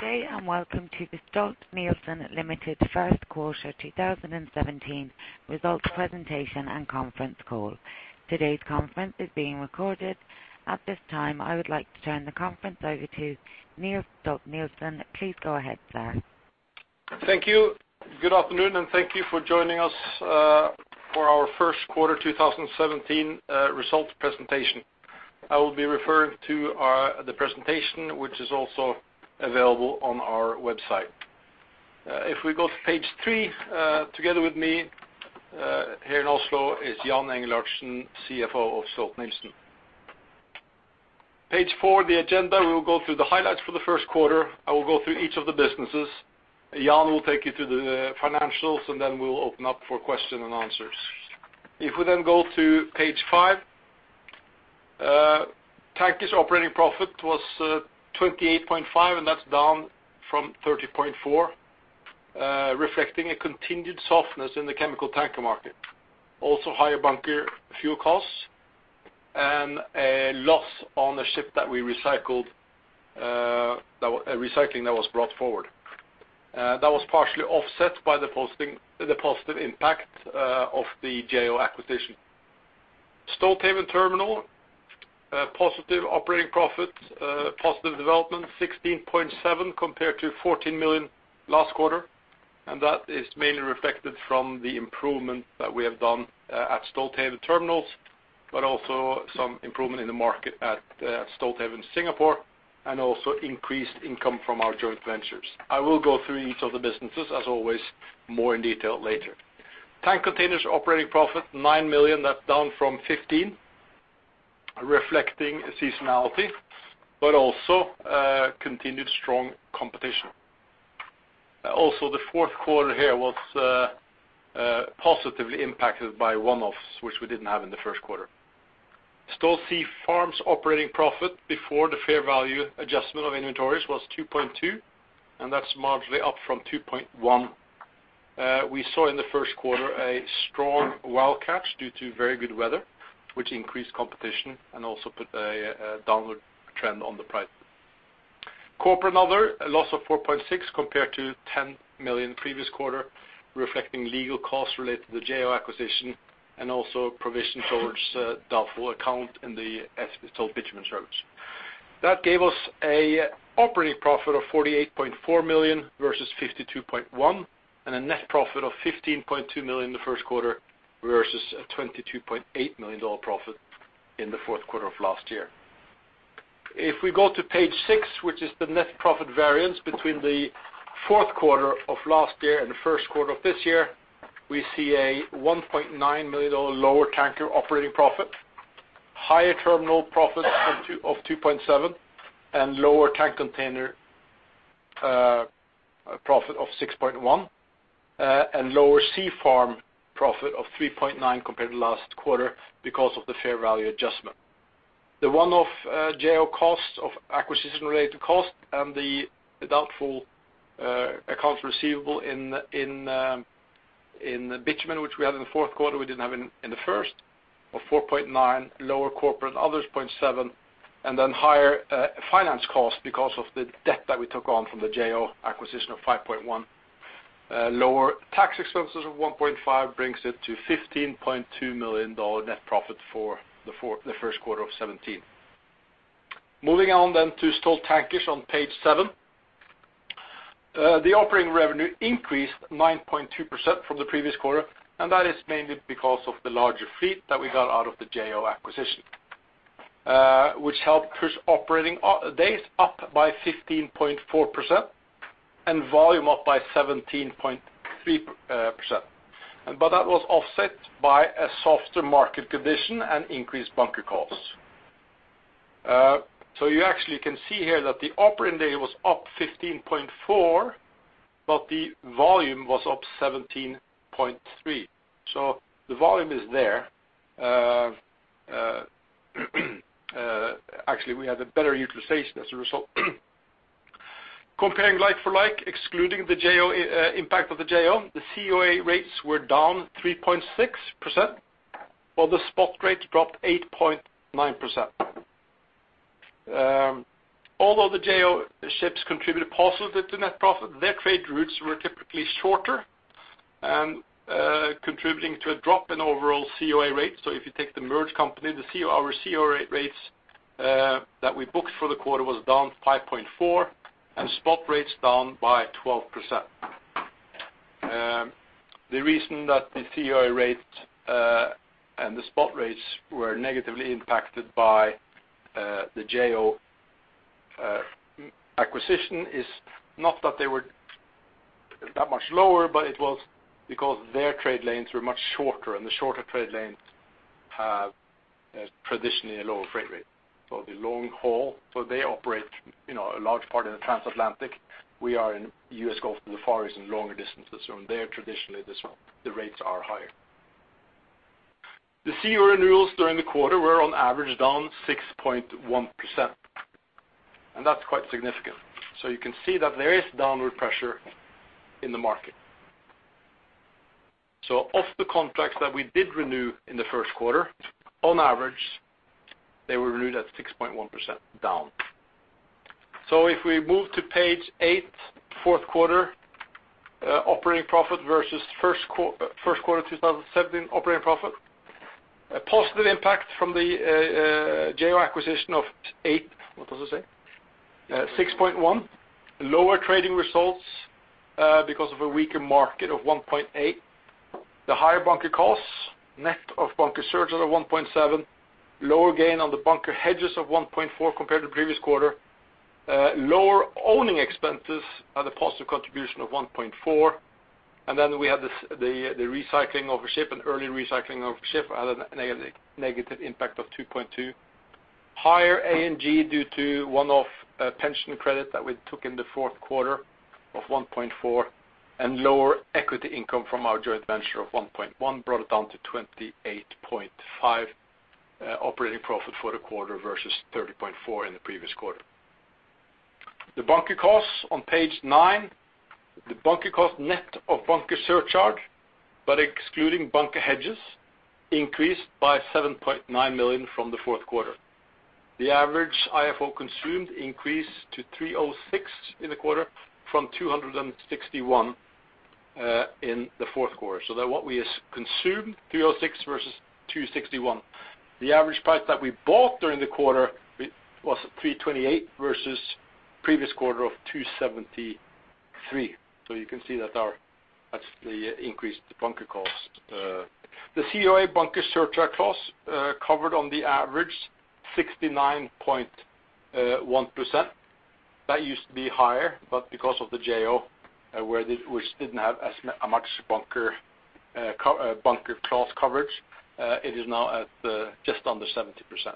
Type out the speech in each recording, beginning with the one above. Good day, welcome to the Stolt-Nielsen Limited first quarter 2017 results presentation and conference call. Today's conference is being recorded. At this time, I would like to turn the conference over to Niels Stolt-Nielsen. Please go ahead, sir. Thank you. Good afternoon, thank you for joining us for our first quarter 2017 results presentation. I will be referring to the presentation, which is also available on our website. If we go to page three, together with me here in Oslo is Jan Engelhardtsen, CFO of Stolt-Nielsen. Page four, the agenda. We will go through the highlights for the first quarter. I will go through each of the businesses. Jan will take you through the financials, then we will open up for question and answers. If we go to page five. Tankers operating profit was 28.5, that's down from 30.4, reflecting a continued softness in the chemical tanker market. Also, higher bunker fuel costs and a loss on a ship that we recycled. A recycling that was brought forward. That was partially offset by the positive impact of the Jo acquisition. Stolthaven Terminals, positive operating profit, positive development, 16.7 compared to 14 million last quarter. That is mainly reflected from the improvement that we have done at Stolthaven Terminals, but also some improvement in the market at Stolthaven Singapore, also, increased income from our joint ventures. I will go through each of the businesses, as always, more in detail later. Tank Containers operating profit 9 million. That's down from 15, reflecting seasonality, but also continued strong competition. Also, the fourth quarter here was positively impacted by one-offs, which we didn't have in the first quarter. Stolt Sea Farm's operating profit before the fair value adjustment of inventories was 2.2, that's marginally up from 2.1. We saw in the first quarter a strong wild catch due to very good weather, which increased competition and also put a downward trend on the price. Corporate and other, a loss of 4.6 compared to 10 million previous quarter, reflecting legal costs related to the Jo acquisition, also, provision towards doubtful account in the Stolt Bitumen Services. That gave us an operating profit of $48.4 million versus 52.1, a net profit of $15.2 million in the first quarter versus a $22.8 million profit in the fourth quarter of last year. If we go to page six, which is the net profit variance between the fourth quarter of last year and the first quarter of this year, we see a $1.9 million lower Tankers operating profit, higher terminal profit of 2.7, lower Tank Containers profit of 6.1, lower Sea Farm profit of 3.9 compared to last quarter because of the fair value adjustment. The one-off Jo costs of acquisition related cost and the doubtful accounts receivable in bitumen, which we had in the fourth quarter, we didn't have in the first of $4.9, lower corporate and others, $0.7, higher finance cost because of the debt that we took on from the Jo acquisition of $5.1. Lower tax expenses of $1.5 brings it to $15.2 million net profit for the first quarter of 2017. Moving on to Stolt Tankers on page seven. The operating revenue increased 9.2% from the previous quarter, and that is mainly because of the larger fleet that we got out of the Jo acquisition, which helped push operating days up by 15.4% and volume up by 17.3%. That was offset by a softer market condition and increased bunker costs. You actually can see here that the operating day was up 15.4%, the volume was up 17.3%. The volume is there. Actually, we had a better utilization as a result. Comparing like for like, excluding the impact of the Jo, the COA rates were down 3.6%, while the spot rates dropped 8.9%. Although the Jo ships contributed positively to net profit, their trade routes were typically shorter and contributing to a drop in overall COA rates. If you take the merged company, our COA rates that we booked for the quarter was down 5.4% and spot rates down by 12%. The reason that the COA rates and the spot rates were negatively impacted by the Jo acquisition is not that they were that much lower, it was because their trade lanes were much shorter, and the shorter trade lanes have traditionally a lower freight rate. The long haul, they operate a large part in the transatlantic. We are in U.S. Gulf and the Far East and longer distances from there. Traditionally, the rates are higher. The COA renewals during the quarter were on average down 6.1%, that's quite significant. You can see that there is downward pressure in the market. Of the contracts that we did renew in the first quarter, on average, they were renewed at 6.1% down. If we move to page eight, fourth quarter operating profit versus first quarter 2017 operating profit. A positive impact from the Jo acquisition of $8. What does it say? $6.1. Lower trading results because of a weaker market of $1.8. The higher bunker costs, net of bunker surcharge of $1.7. Lower gain on the bunker hedges of $1.4 compared to previous quarter. Lower owning expenses had a positive contribution of $1.4. We had the recycling of a ship, an early recycling of a ship had a negative impact of $2.2. Higher A&G due to one-off pension credit that we took in the fourth quarter of $1.4, lower equity income from our joint venture of $1.1 brought it down to $28.5 million operating profit for the quarter versus $30.4 million in the previous quarter. The bunker costs on page nine. The bunker cost net of bunker surcharge, excluding bunker hedges, increased by $7.9 million from the fourth quarter. The average IFO consumed increased to 306 in the quarter from 261, in the fourth quarter. That what we consumed, 306 versus 261. The average price that we bought during the quarter was $328 versus previous quarter of $273. You can see that's the increased bunker costs. The COA bunker surcharge clause covered on the average 69.1%. That used to be higher, because of the Jo, which didn't have as much bunker clause coverage, it is now at just under 70%.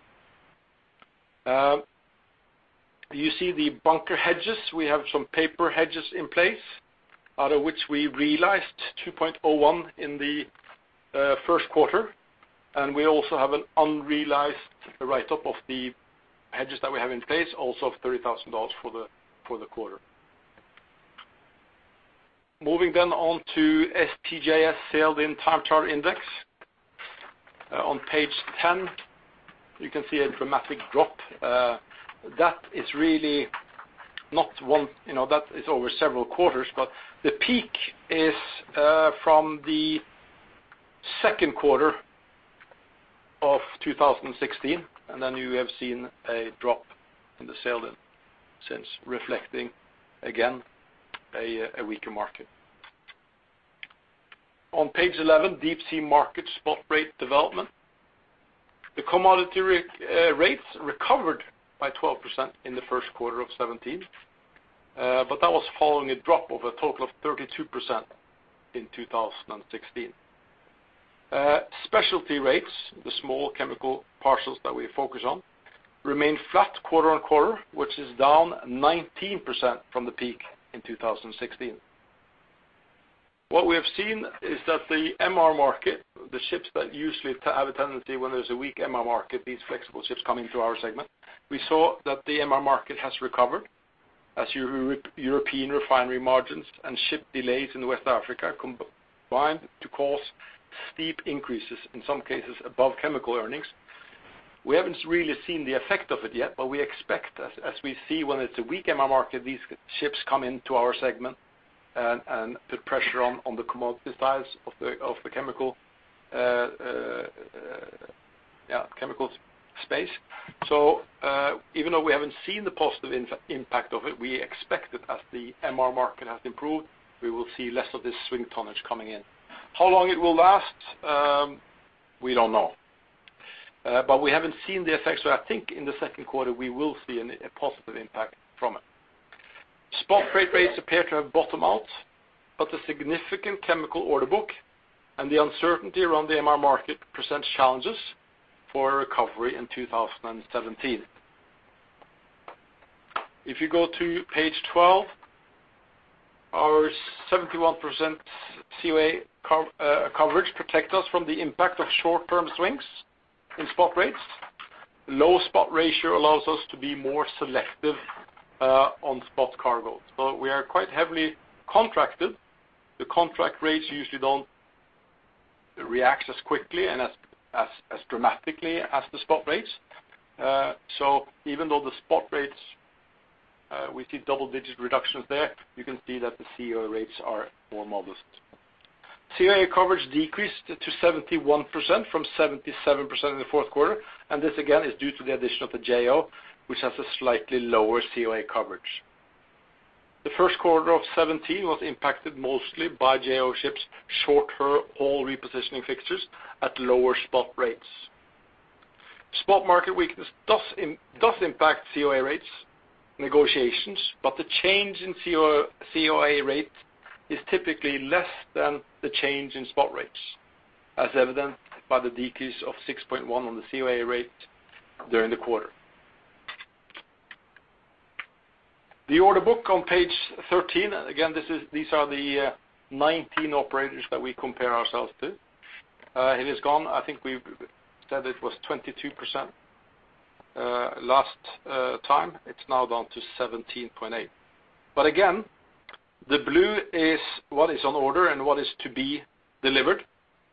You see the bunker hedges. We have some paper hedges in place, out of which we realized $2.0 million in the first quarter, and we also have an unrealized write-up of the hedges that we have in place also of $30,000 for the quarter. Moving on to STJS sailed-in time charter index. On page 10, you can see a dramatic drop. That is over several quarters, but the peak is from the second quarter of 2016, you have seen a drop in the sailed-in since reflecting again a weaker market. On page 11, deep sea market spot rate development. The commodity rates recovered by 12% in the first quarter of 2017. That was following a drop of a total of 32% in 2016. Specialty rates, the small chemical parcels that we focus on, remain flat quarter on quarter, which is down 19% from the peak in 2016. What we have seen is that the MR market, the ships that usually have a tendency when there's a weak MR market, these flexible ships coming to our segment. We saw that the MR market has recovered as European refinery margins and ship delays in West Africa combined to cause steep increases, in some cases above chemical earnings. We haven't really seen the effect of it yet, we expect as we see when it's a weak MR market, these ships come into our segment and put pressure on the commodity size of the chemical space. Even though we haven't seen the positive impact of it, we expect that as the MR market has improved, we will see less of this swing tonnage coming in. How long it will last, we don't know. We haven't seen the effects, I think in the second quarter, we will see a positive impact from it. Spot freight rates appear to have bottom out, but the significant chemical order book and the uncertainty around the MR market presents challenges for a recovery in 2017. If you go to page 12, our 71% COA coverage protect us from the impact of short-term swings in spot rates. Low spot ratio allows us to be more selective on spot cargo. We are quite heavily contracted. The contract rates usually don't react as quickly and as dramatically as the spot rates. Even though the spot rates we see double-digit reductions there, you can see that the COA rates are more modest. COA coverage decreased to 71% from 77% in the fourth quarter, this again, is due to the addition of the Jo, which has a slightly lower COA coverage. The first quarter of 2017 was impacted mostly by Jo ships short-haul repositioning fixtures at lower spot rates. Spot market weakness does impact COA rates negotiations, but the change in COA rate is typically less than the change in spot rates, as evident by the decrease of 6.1 on the COA rate during the quarter. The order book on page 13. These are the 19 operators that we compare ourselves to. It is gone. I think we said it was 22%. Last time, it's now down to 17.8. Again, the blue is what is on order and what is to be delivered.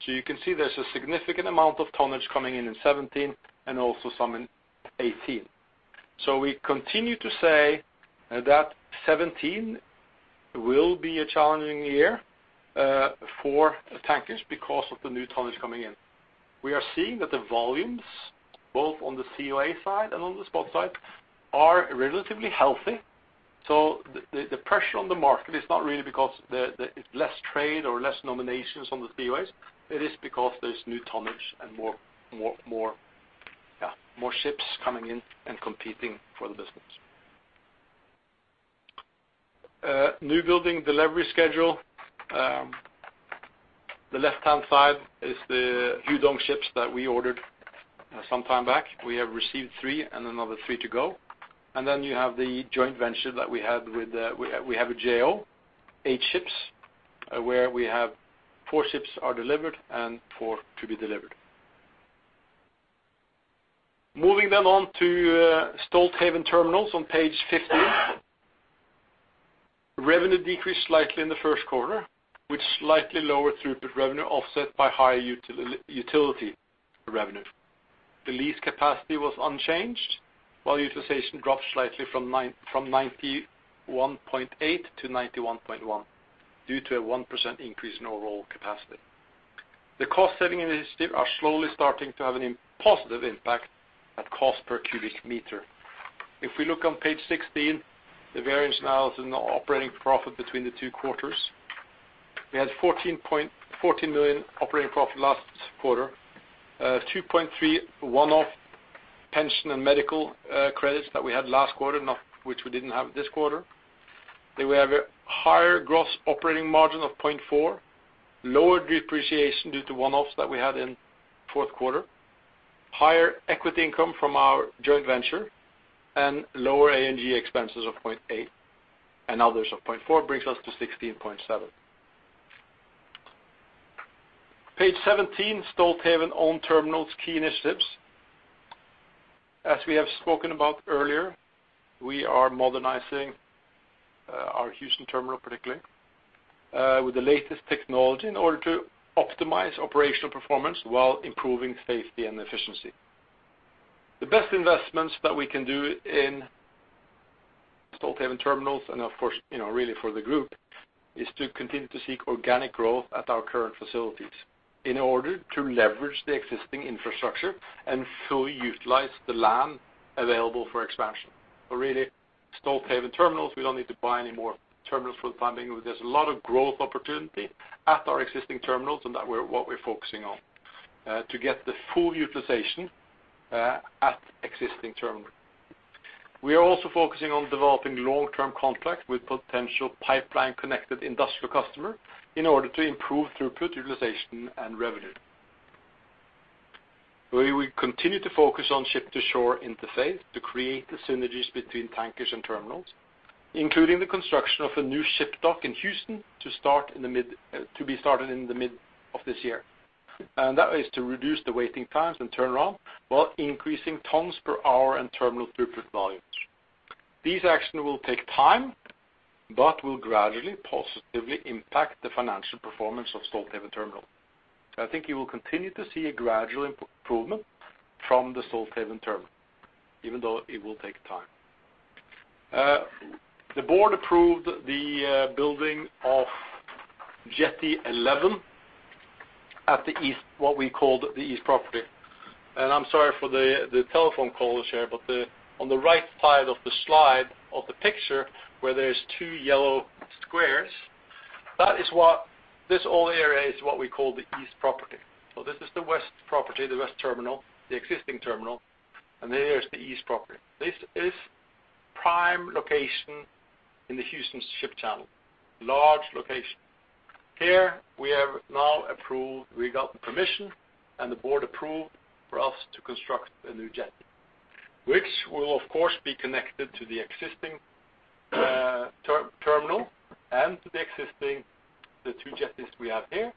You can see there's a significant amount of tonnage coming in in 2017 and also some in 2018. We continue to say that 2017 will be a challenging year for tankers because of the new tonnage coming in. We are seeing that the volumes, both on the COA side and on the spot side, are relatively healthy. The pressure on the market is not really because it's less trade or less nominations on the COAs. It is because there's new tonnage and more ships coming in and competing for the business. New building delivery schedule. The left-hand side is the Hudong ships that we ordered some time back. We have received three, and another three to go. Then you have the joint venture that we have with Jo, eight ships, where we have four ships are delivered and four to be delivered. Moving then on to Stolthaven Terminals on page 15. Revenue decreased slightly in the first quarter, with slightly lower throughput revenue offset by higher utility revenue. The lease capacity was unchanged, while utilization dropped slightly from 91.8% to 91.1% due to a 1% increase in overall capacity. The cost-saving initiatives are slowly starting to have a positive impact at cost per cubic meter. If we look on page 16, the variance now is in the operating profit between the two quarters. We had $14 million operating profit last quarter, $2.3 million one-off pension and medical credits that we had last quarter, which we didn't have this quarter. We have a higher gross operating margin of $0.4 million, lower depreciation due to one-offs that we had in fourth quarter, higher equity income from our joint venture, and lower A&G expenses of $0.8 million, and others of $0.4 million brings us to $16.7 million. Page 17, Stolthaven Owned Terminals key initiatives. As we have spoken about earlier, we are modernizing our Houston terminal, particularly, with the latest technology in order to optimize operational performance while improving safety and efficiency. The best investments that we can do in Stolthaven Terminals and of course, really for the group, is to continue to seek organic growth at our current facilities in order to leverage the existing infrastructure and fully utilize the land available for expansion. Really, Stolthaven Terminals, we don't need to buy any more terminals for the time being. There's a lot of growth opportunity at our existing terminals, and that what we're focusing on to get the full utilization at existing terminal. We are also focusing on developing long-term contracts with potential pipeline-connected industrial customer in order to improve throughput utilization and revenue. We will continue to focus on ship-to-shore interface to create the synergies between tankers and terminals, including the construction of a new ship dock in Houston to be started in the mid of this year. That is to reduce the waiting times and turnaround while increasing tonnes per hour and terminal throughput volumes. These action will take time, but will gradually, positively impact the financial performance of Stolthaven Terminals. I think you will continue to see a gradual improvement from the Stolthaven Terminals, even though it will take time. The board approved the building of Jetty 11 at what we call the East Property. I'm sorry for the telephone call here, but on the right side of the slide of the picture where there's two yellow squares, this whole area is what we call the East Property. This is the West Property, the west terminal, the existing terminal, and there is the East Property. This is prime location in the Houston ship channel, large location. Here we have now approved, we got the permission and the board approved for us to construct a new jetty, which will of course, be connected to the existing terminal and to the two jetties we have here.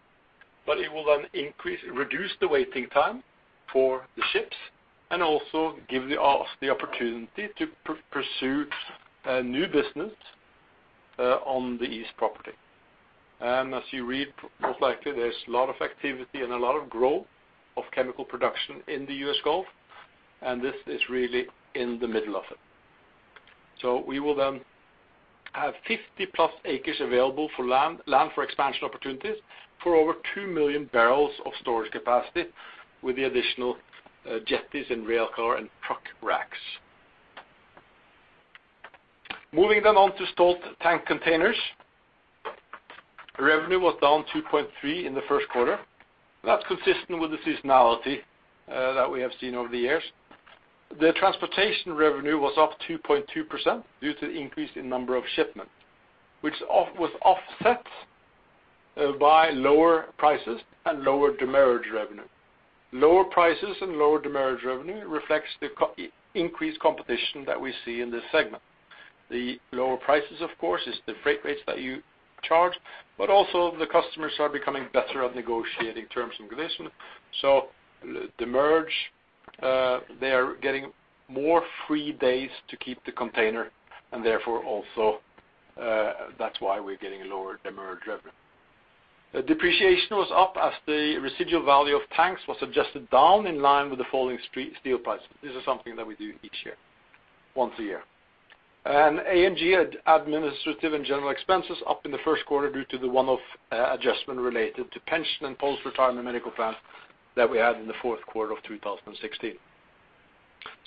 It will then reduce the waiting time for the ships and also give us the opportunity to pursue new business on the East Property. As you read, most likely, there's a lot of activity and a lot of growth of chemical production in the U.S. Gulf, and this is really in the middle of it. We will then have 50 plus acres available for land for expansion opportunities for over 2 million barrels of storage capacity with the additional jetties and rail car and truck racks. Moving then on to Stolt Tank Containers. Revenue was down 2.3% in the first quarter. That's consistent with the seasonality that we have seen over the years. The transportation revenue was up 2.2% due to the increase in number of shipment, which was offset by lower prices and lower demurrage revenue. Lower prices and lower demurrage revenue reflects the increased competition that we see in this segment. The lower prices, of course, is the freight rates that you charge, but also the customers are becoming better at negotiating terms in relation. Demurrage, they are getting more free days to keep the container, and therefore, also that's why we're getting lower demurrage revenue. Depreciation was up as the residual value of tanks was adjusted down in line with the falling steel prices. This is something that we do each year, once a year. A&G, administrative and general expenses, up in the first quarter due to the one-off adjustment related to pension and post-retirement medical plans that we had in the fourth quarter of 2016.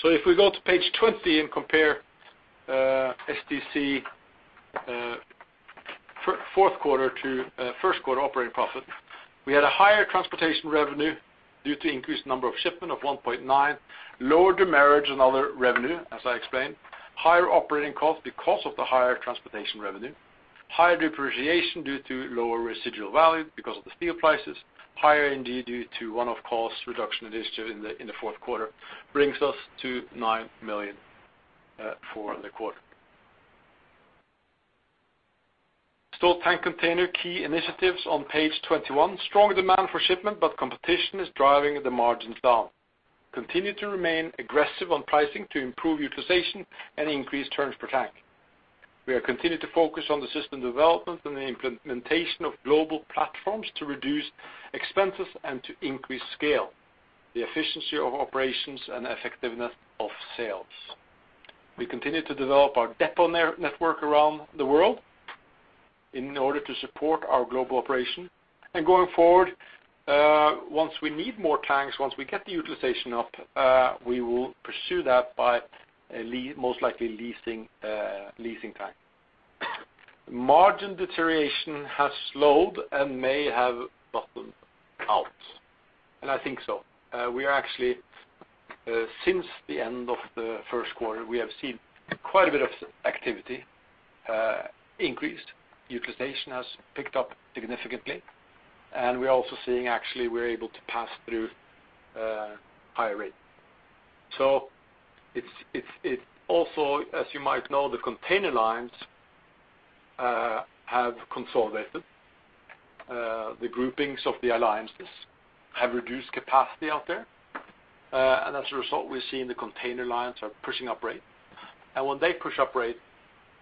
If we go to page 20 and compare STC fourth quarter to first quarter operating profit, we had a higher transportation revenue due to increased number of shipment of 1.9%, lower demurrage and other revenue, as I explained. Higher operating cost because of the higher transportation revenue. Higher depreciation due to lower residual value because of the steel prices. Higher ND due to one-off cost reduction initiative in the fourth quarter brings us to $9 million for the quarter. Stolt Tank Containers key initiatives on page 22. Strong demand for shipment, but competition is driving the margins down. Continue to remain aggressive on pricing to improve utilization and increase turns per tank. We are continuing to focus on the system development and the implementation of global platforms to reduce expenses and to increase scale, the efficiency of operations and effectiveness of sales. Going forward, once we need more tanks, once we get the utilization up, we will pursue that by most likely leasing tank. Margin deterioration has slowed and may have bottomed out, and I think so. Since the end of the first quarter, we have seen quite a bit of activity increased. Utilization has picked up significantly, we're also seeing actually we're able to pass through higher rate. As you might know, the container lines have consolidated. The groupings of the alliances have reduced capacity out there. As a result, we're seeing the container lines are pushing up rate. When they push up rate,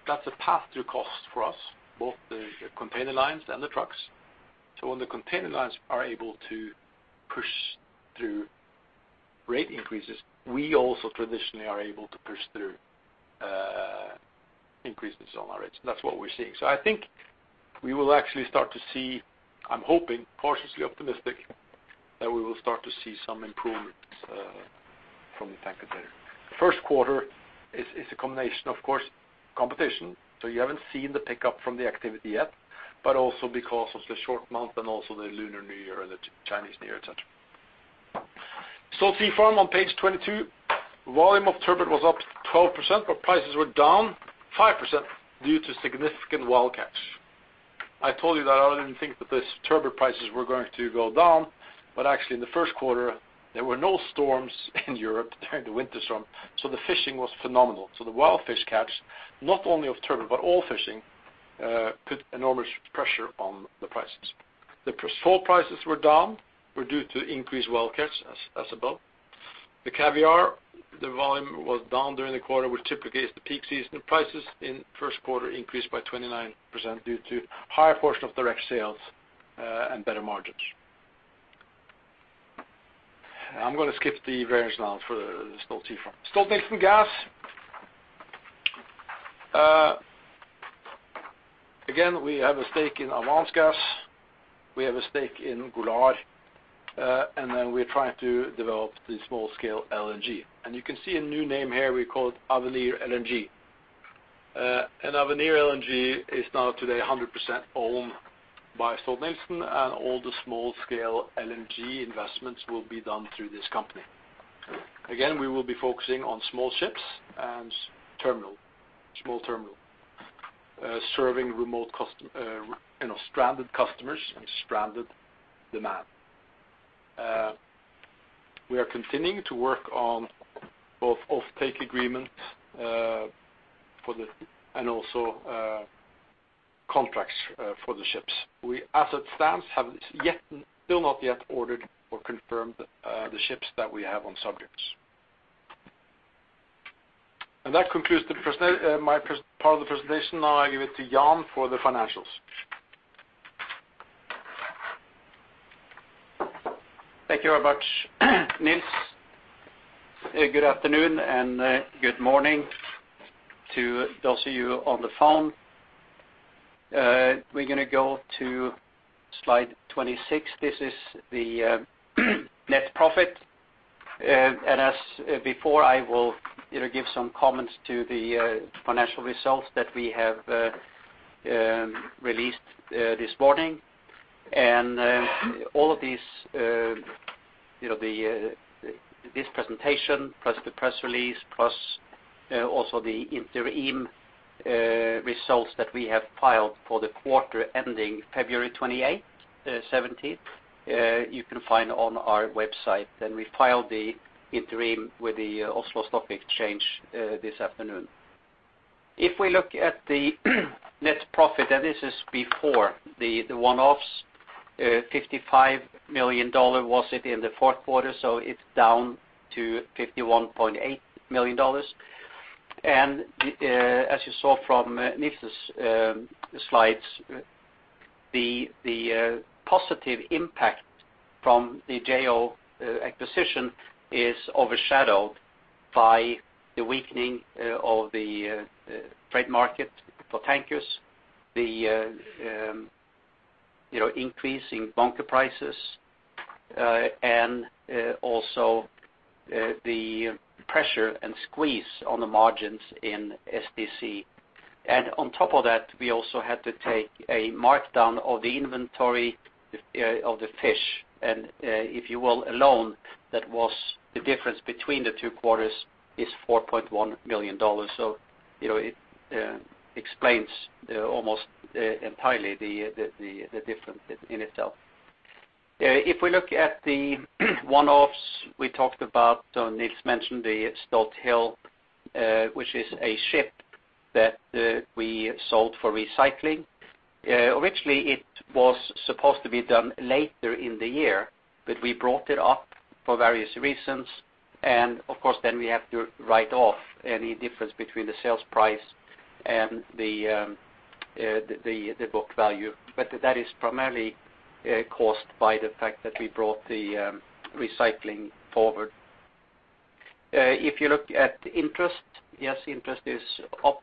that's a pass-through cost for us, both the container lines and the trucks. When the container lines are able to push through rate increases, we also traditionally are able to push through increases on our rates, and that's what we're seeing. I think we will actually start to see, I'm hoping, cautiously optimistic, that we will start to see some improvements from the tank container. First quarter is a combination, of course, competition. You haven't seen the pickup from the activity yet, but also because of the short month and also the Lunar New Year and the Chinese New Year, et cetera. Stolt Sea Farm on page 22. Volume of turbot was up 12%, but prices were down 5% due to significant wild catch. I told you that I didn't think that these turbot prices were going to go down, but actually in the first quarter, there were no storms in Europe during the winter storm, so the fishing was phenomenal. The wild fish catch, not only of turbot, but all fishing, put enormous pressure on the prices. The sole prices were down, were due to increased wild catch as above. The caviar, the volume was down during the quarter, which typically is the peak season. Prices in first quarter increased by 29% due to higher portion of direct sales and better margins. I'm going to skip the variance now for the Stolt Sea Farm. Stolt-Nielsen Gas. We have a stake in Avance Gas. We have a stake in Golar, then we are trying to develop the small scale LNG. You can see a new name here we call Avenir LNG. Avenir LNG is now today 100% owned by Stolt-Nielsen, and all the small scale LNG investments will be done through this company. We will be focusing on small ships and terminal, small terminal, serving stranded customers and stranded demand. We are continuing to work on both offtake agreements and also contracts for the ships. We, as it stands, have still not yet ordered or confirmed the ships that we have on subjects. That concludes my part of the presentation. Now I give it to Jan for the financials. Thank you very much, Niels. Good afternoon and good morning to those of you on the phone. We're going to go to slide 26. This is the net profit. As before, I will give some comments to the financial results that we have released this morning. All of this presentation, plus the press release, plus also the interim results that we have filed for the quarter ending February 28th, 2017, you can find on our website. We filed the interim with the Oslo Stock Exchange this afternoon. If we look at the net profit, and this is before the one-offs, $55 million was it in the fourth quarter, so it's down to $51.8 million. As you saw from Niels' slides, the positive impact from the Jo acquisition is overshadowed by the weakening of the trade market for tankers, the increase in bunker prices, and also the pressure and squeeze on the margins in STC. On top of that, we also had to take a markdown of the inventory of the fish. If you will, alone, that was the difference between the two quarters is $4.1 million. It explains almost entirely the difference in itself. If we look at the one-offs we talked about, Niels mentioned the Stolt Hill, which is a ship that we sold for recycling. Originally, it was supposed to be done later in the year, but we brought it up for various reasons. Of course, then we have to write off any difference between the sales price and the book value. That is primarily caused by the fact that we brought the recycling forward. If you look at interest, yes, interest is up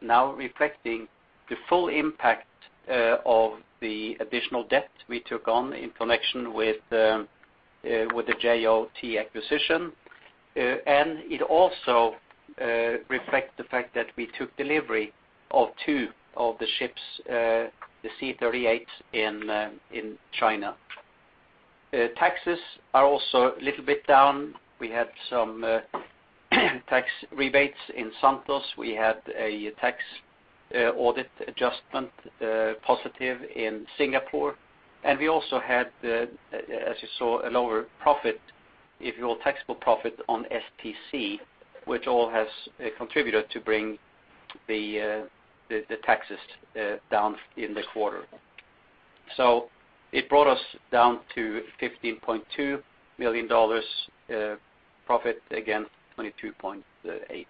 now reflecting the full impact of the additional debt we took on in connection with the JOT acquisition. It also reflects the fact that we took delivery of two of the ships, the C38s, in China. Taxes are also a little bit down. We had some tax rebates in Santos. We had a tax audit adjustment positive in Singapore. We also had, as you saw, a lower profit, if your taxable profit on STC, which all has contributed to bring the taxes down in the quarter. It brought us down to $15.2 million profit, against $22.8 million.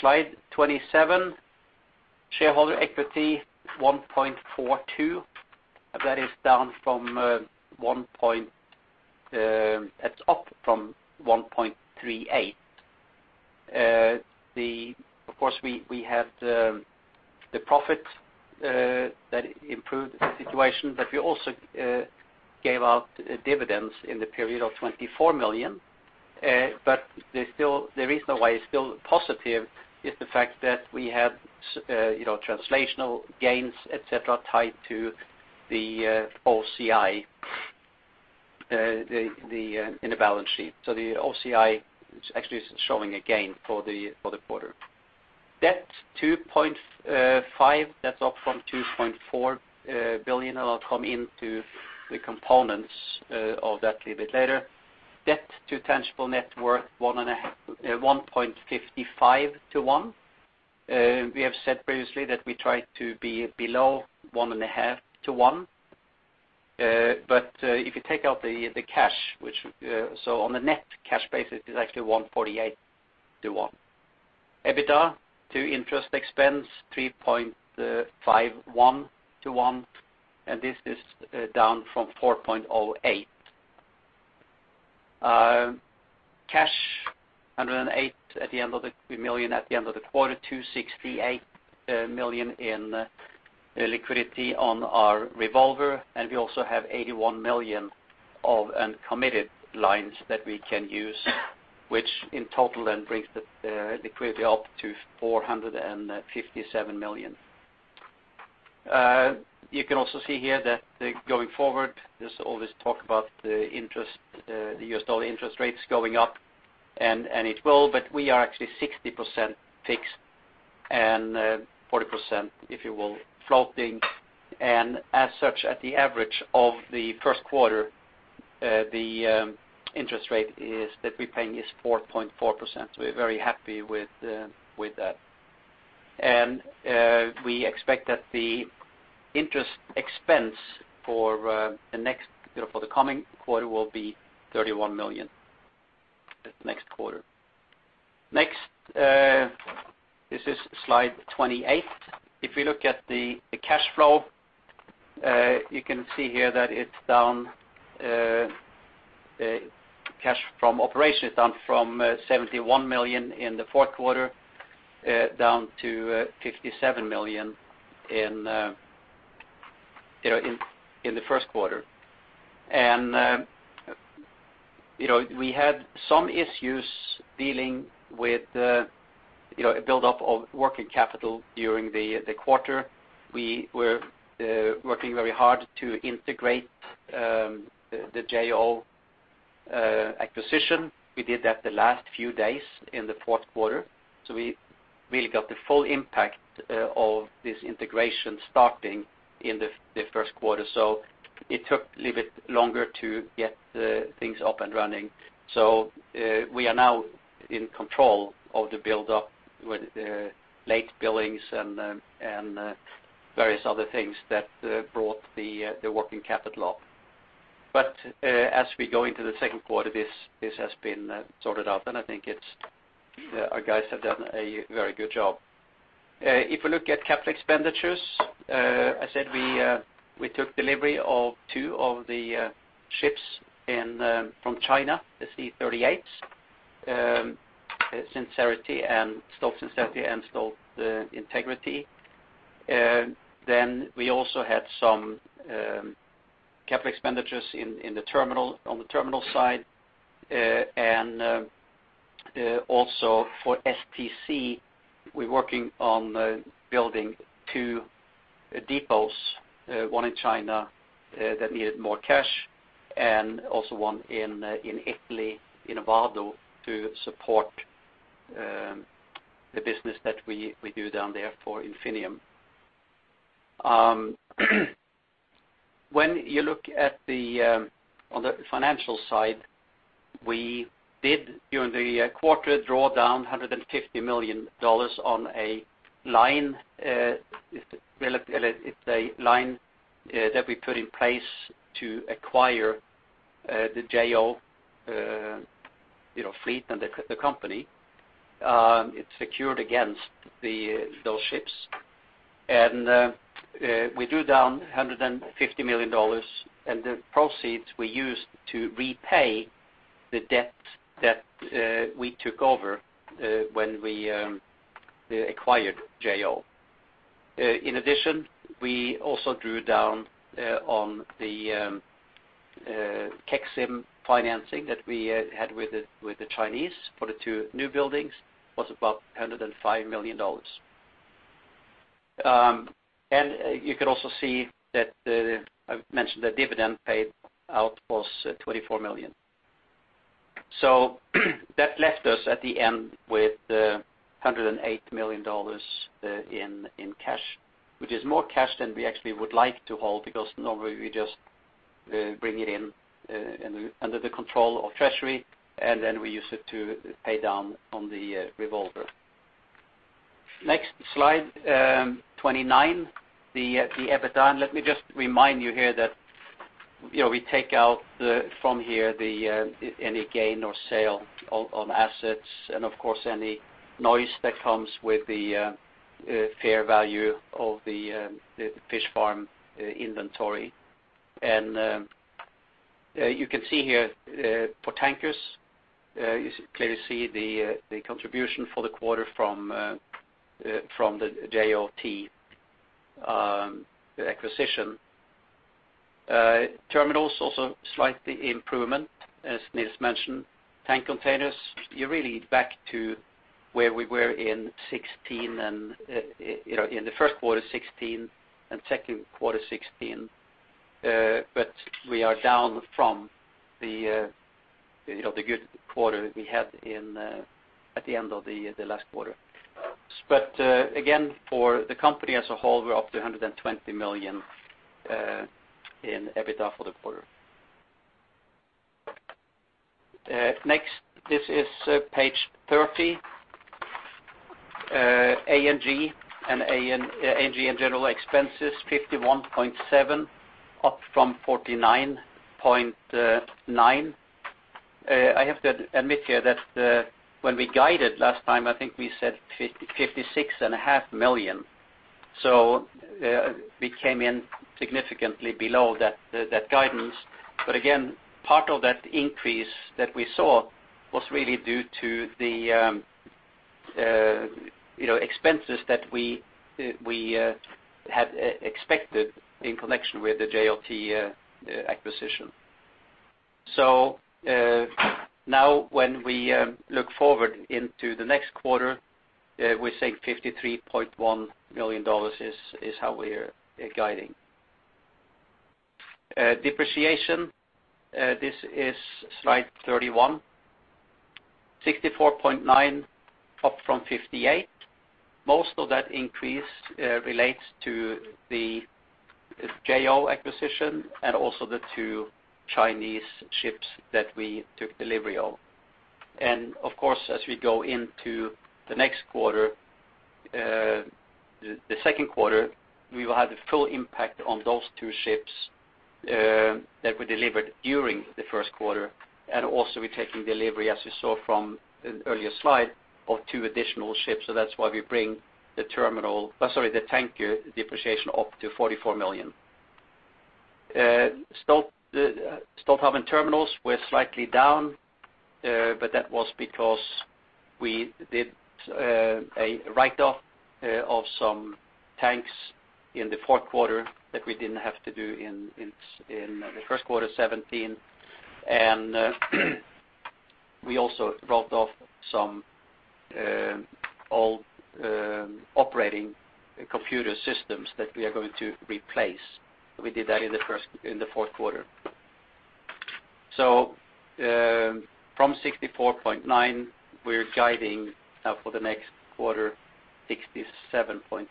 Slide 27, shareholder equity, $1.42 billion. That's up from $1.38 billion. Of course, we had the profit that improved the situation. We also gave out dividends in the period of $24 million. The reason why it's still positive is the fact that we had translational gains, et cetera, tied to the OCI in the balance sheet. The OCI actually is showing a gain for the quarter. Debt, $2.5 billion. That's up from $2.4 billion. I'll come into the components of that a bit later. Debt to tangible net worth, 1.55 to 1. We have said previously that we try to be below one and a half to one. If you take out the cash, on a net cash basis, it's actually 1.48 to 1. EBITDA to interest expense, 3.51 to 1, this is down from 4.08 to 1. Cash, $108 million at the end of the quarter, $268 million in liquidity on our revolver, we also have $81 million of uncommitted lines that we can use, which in total then brings the liquidity up to $457 million. You can also see here that going forward, there's always talk about the U.S. dollar interest rates going up, and it will, but we are actually 60% fixed and 40%, if you will, floating. As such, at the average of the first quarter, the interest rate that we're paying is 4.4%. We're very happy with that. We expect that the interest expense for the coming quarter will be $31 million. That's next quarter. This is slide 28. If you look at the cash flow, you can see here that cash from operation is down from $71 million in the fourth quarter down to $57 million in the first quarter. We had some issues dealing with a buildup of working capital during the quarter. We were working very hard to integrate the Jo Acquisition. We did that the last few days in the fourth quarter. We really got the full impact of this integration starting in the first quarter. It took a little bit longer to get things up and running. We are now in control of the buildup with late billings and various other things that brought the working capital up. As we go into the second quarter, this has been sorted out and I think our guys have done a very good job. If we look at capital expenditures, I said we took delivery of two of the ships from China, the C38s, Stolt Integrity. We also had some capital expenditures on the terminal side, and also for STC, we're working on building two depots, one in China that needed more cash, and also one in Italy, in Vado, to support the business that we do down there for Infineum. When you look on the financial side, we did, during the quarter, draw down $150 million on a line. It's a line that we put in place to acquire the Jo fleet and the company. It's secured against those ships. We drew down $150 million, and the proceeds we used to repay the debt that we took over when we acquired Jo. In addition, we also drew down on the EXIM financing that we had with the Chinese for the two new buildings. It was about $105 million. You can also see that I mentioned the dividend paid out was $24 million. That left us at the end with $108 million in cash, which is more cash than we actually would like to hold because normally we just bring it in under the control of treasury, then we use it to pay down on the revolver. Slide 29. The EBITDA. Let me just remind you here that we take out from here any gain or sale on assets and of course any noise that comes with the fair value of the fish farm inventory. You can see here for tankers, you clearly see the contribution for the quarter from the Jo acquisition. Terminals, also slight improvement, as Niels mentioned. Tank containers, you're really back to where we were in the first quarter 2016 and second quarter 2016. We are down from the good quarter we had at the end of the last quarter. Again, for the company as a whole, we're up to $120 million in EBITDA for the quarter. Next, this is page 30. A&G and general expenses, $51.7, up from $49.9. I have to admit here that when we guided last time, I think we said $56.5 million. We came in significantly below that guidance. Again, part of that increase that we saw was really due to the expenses that we had expected in connection with the JOT acquisition. Now when we look forward into the next quarter, we say $53.1 million is how we're guiding. Depreciation, this is slide 31. $64.9, up from $58. Most of that increase relates to the JOT acquisition and also the two Chinese ships that we took delivery of. Of course, as we go into the next quarter, the second quarter, we will have the full impact on those two ships that were delivered during the first quarter. Also we're taking delivery, as you saw from an earlier slide, of two additional ships. That's why we bring the tanker depreciation up to $44 million. Stolthaven terminals were slightly down, but that was because we did a write-off of some tanks in the fourth quarter that we didn't have to do in the first quarter 2017. We also wrote off some old operating computer systems that we are going to replace. We did that in the fourth quarter. From $64.9, we're guiding now for the next quarter, $67.7.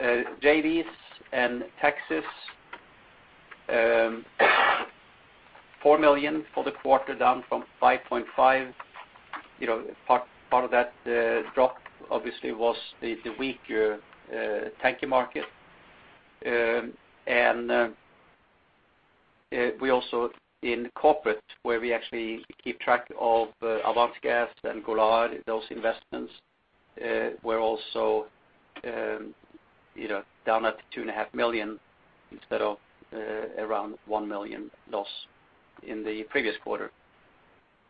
JVs and taxes, $4 million for the quarter, down from $5.5. Part of that drop obviously was the weaker tanker market. We also, in corporate, where we actually keep track of Avance Gas and Golar, those investments were also down at $2.5 million instead of around $1 million loss in the previous quarter.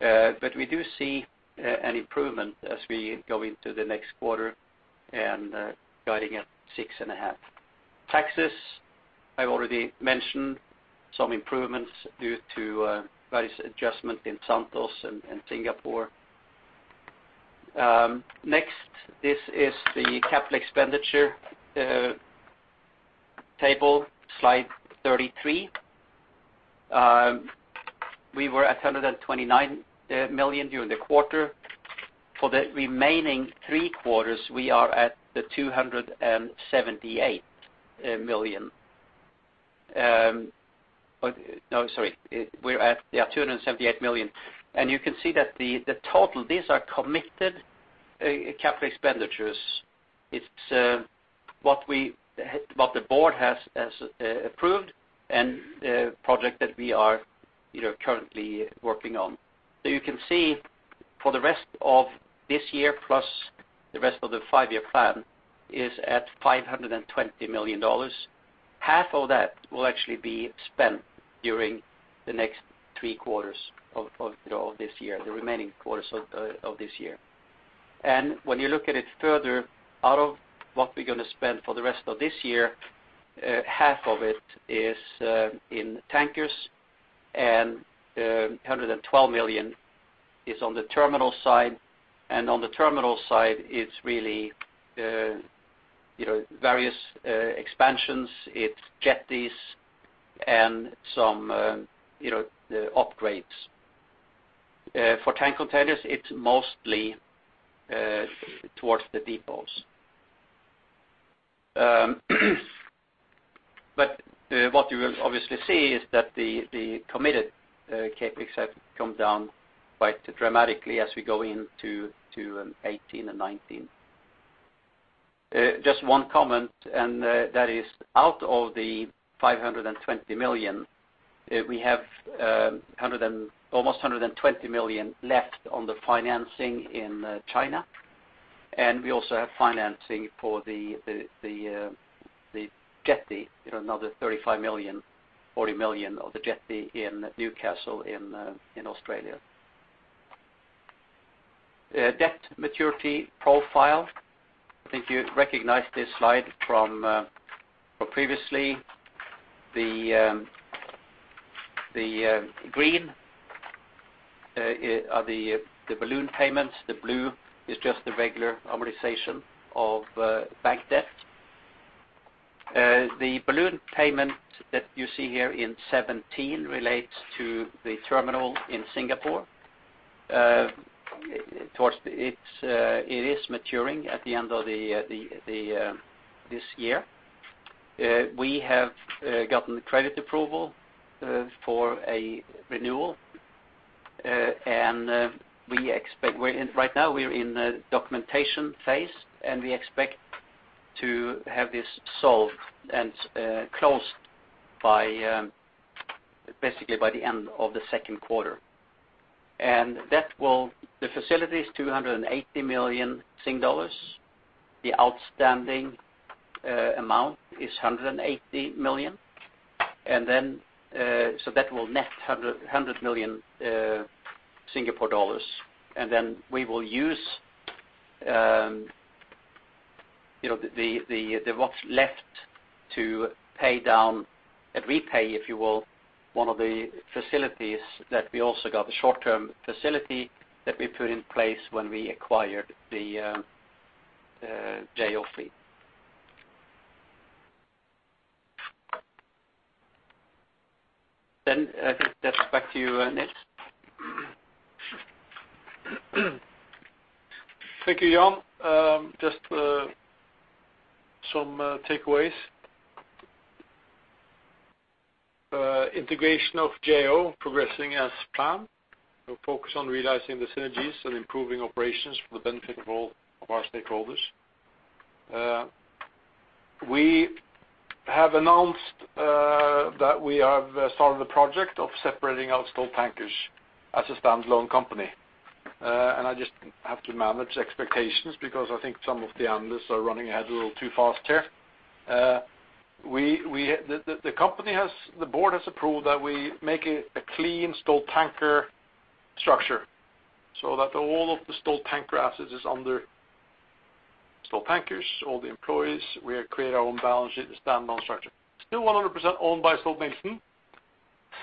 We do see an improvement as we go into the next quarter and guiding at $6.5. Taxes, I already mentioned some improvements due to various adjustment in Santos and Singapore. Next, this is the capital expenditure table, slide 33. We were at $129 million during the quarter. For the remaining three quarters, we are at the $278 million. No, sorry. We're at, yeah, $278 million. You can see that the total, these are committed capital expenditures. It's what the board has approved and project that we are currently working on. You can see for the rest of this year, plus the rest of the five-year plan is at $520 million. Half of that will actually be spent during the next three quarters of this year, the remaining quarters of this year. When you look at it further, out of what we're going to spend for the rest of this year, half of it is in tankers and $112 million is on the terminal side. On the terminal side, it's really various expansions, it's jetties and some upgrades. For tank containers, it's mostly towards the depots. What you will obviously see is that the committed CapEx have come down quite dramatically as we go into 2018 and 2019. Just one comment, out of the $520 million, we have almost $120 million left on the financing in China. We also have financing for the jetty, another $35 million-40 million of the jetty in Newcastle in Australia. Debt maturity profile. I think you recognize this slide from previously. The green are the balloon payments. The blue is just the regular amortization of bank debt. The balloon payment that you see here in 2017 relates to the terminal in Singapore. It is maturing at the end of this year. We have gotten credit approval for a renewal. Right now, we're in the documentation phase. We expect to have this solved and closed basically by the end of the second quarter. The facility is $280 million. The outstanding amount is $180 million. That will net $100 million. We will use what's left to pay down and repay, if you will, one of the facilities that we also got, the short-term facility that we put in place when we acquired the Jo fleet. I think that's back to you, Niels. Thank you, Jan. Just some takeaways. Integration of Jo progressing as planned. We'll focus on realizing the synergies and improving operations for the benefit of all of our stakeholders. We have announced that we have started the project of separating out Stolt Tankers as a standalone company. I just have to manage expectations because I think some of the analysts are running ahead a little too fast here. The board has approved that we make a clean Stolt Tankers structure so that all of the Stolt Tankers assets is under Stolt Tankers, all the employees. We have created our own balance sheet, a standalone structure. Still 100% owned by Stolt-Nielsen.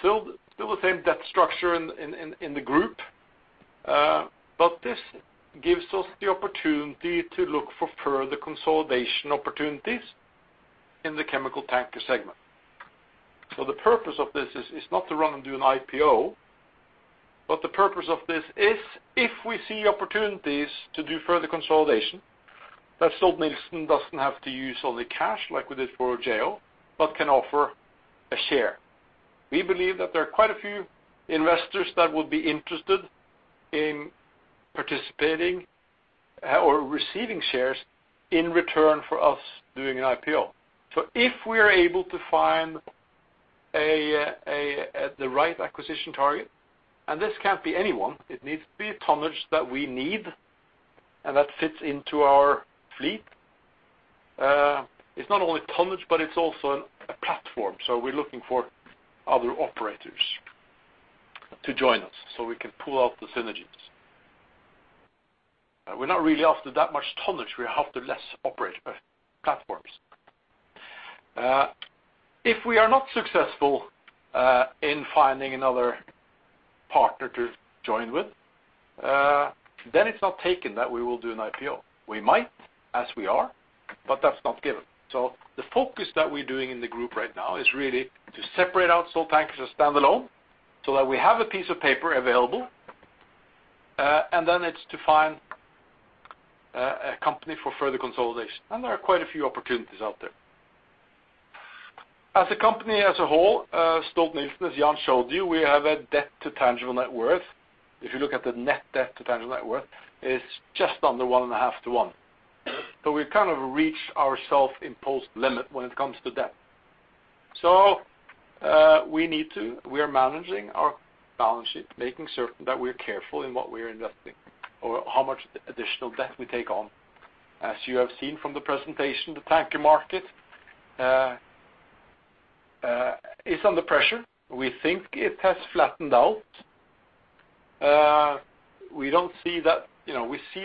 Still the same debt structure in the group. This gives us the opportunity to look for further consolidation opportunities in the chemical tanker segment. The purpose of this is not to run and do an IPO, but the purpose of this is if we see opportunities to do further consolidation, that Stolt-Nielsen doesn't have to use only cash like we did for Jo, but can offer a share. We believe that there are quite a few investors that would be interested in participating or receiving shares in return for us doing an IPO. If we are able to find the right acquisition target, and this can't be anyone, it needs to be a tonnage that we need and that fits into our fleet. It's not only tonnage, but it's also a platform. We're looking for other operators to join us so we can pull out the synergies. We're not really after that much tonnage. We're after less operator platforms. If we are not successful in finding another partner to join with, it's not taken that we will do an IPO. We might, as we are, but that's not given. The focus that we're doing in the group right now is really to separate out Stolt Tankers as standalone, so that we have a piece of paper available, and then it's to find a company for further consolidation. There are quite a few opportunities out there. As a company as a whole, Stolt-Nielsen, as Jan showed you, we have a debt to tangible net worth. If you look at the net debt to tangible net worth, it's just under 1.5 to 1. We've kind of reached our self-imposed limit when it comes to debt. We are managing our balance sheet, making certain that we are careful in what we are investing or how much additional debt we take on. As you have seen from the presentation, the tanker market is under pressure. We think it has flattened out. We see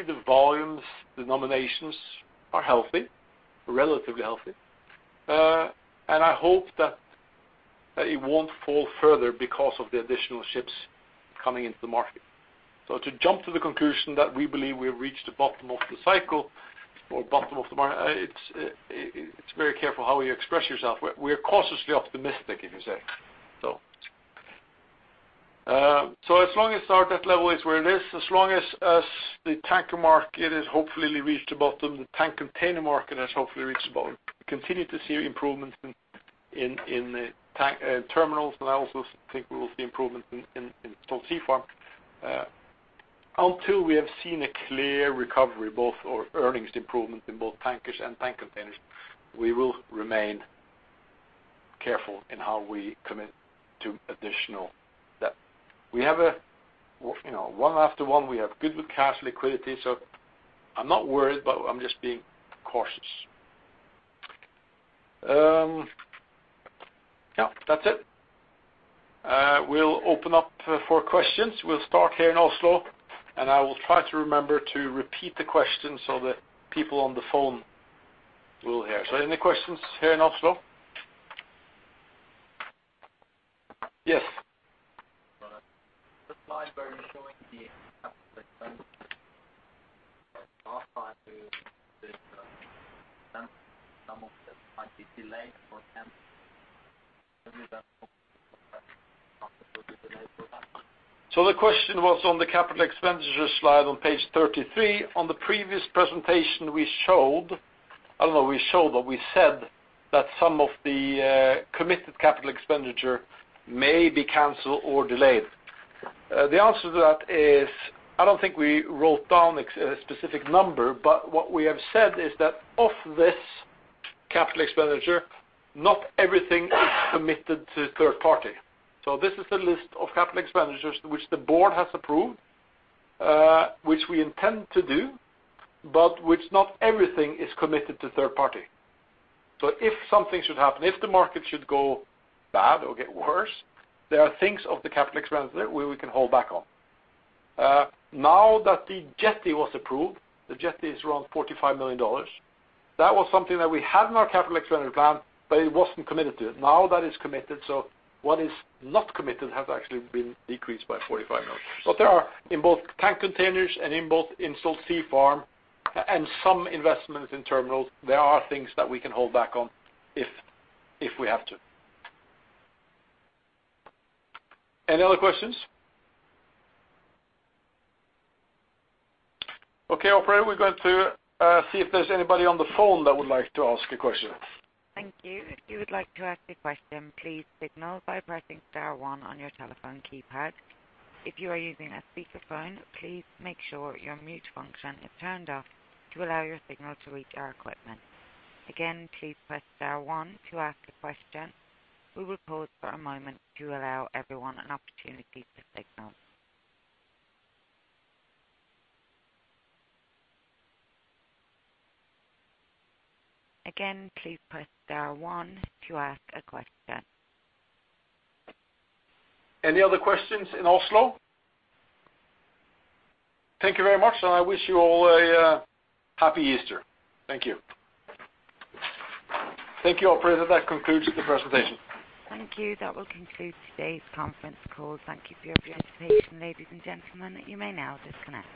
the volumes, the nominations are relatively healthy. I hope that it won't fall further because of the additional ships coming into the market. To jump to the conclusion that we believe we have reached the bottom of the cycle or bottom of the market, it's very careful how you express yourself. We are cautiously optimistic, if you say. As long as our debt level is where it is, as long as the tanker market has hopefully reached the bottom, the tank container market has hopefully reached the bottom. We continue to see improvements in terminals, I also think we will see improvements in Stolt Sea Farm. Until we have seen a clear recovery or earnings improvement in both tankers and tank containers, we will remain careful in how we commit to additional debt. One after one, we have good cash liquidity, I'm not worried, but I'm just being cautious. That's it. We'll open up for questions. We'll start here in Oslo, I will try to remember to repeat the question so that people on the phone will hear. Any questions here in Oslo? Yes. The slide where you're showing the capital expense. Last time you said some of that might be delayed or canceled. Maybe that delayed for that. The question was on the capital expenditures slide on page 33. On the previous presentation, we showed, I don't know if we showed, but we said that some of the committed capital expenditure may be canceled or delayed. The answer to that is, I don't think we wrote down a specific number, but what we have said is that of this capital expenditure, not everything is committed to third party. This is the list of capital expenditures which the board has approved, which we intend to do, but which not everything is committed to third party. If something should happen, if the market should go bad or get worse, there are things of the capital expenditure where we can hold back on. Now that the jetty was approved, the jetty is around $45 million. That was something that we had in our capital expenditure plan, but it wasn't committed to. Now that is committed, what is not committed has actually been decreased by 45 million. There are in both tank containers and in Stolt Sea Farm and some investments in terminals, there are things that we can hold back on if we have to. Any other questions? Operator, we're going to see if there's anybody on the phone that would like to ask a question. Thank you. If you would like to ask a question, please signal by pressing star one on your telephone keypad. If you are using a speakerphone, please make sure your mute function is turned off to allow your signal to reach our equipment. Again, please press star one to ask a question. We will pause for a moment to allow everyone an opportunity to signal. Again, please press star one to ask a question. Any other questions in Oslo? Thank you very much. I wish you all a happy Easter. Thank you. Thank you, operator. That concludes the presentation. Thank you. That will conclude today's conference call. Thank you for your participation. Ladies and gentlemen, you may now disconnect.